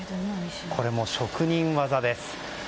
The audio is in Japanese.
これも職人技です。